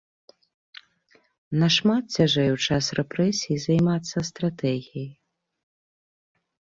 Нашмат цяжэй у час рэпрэсій займацца стратэгіяй.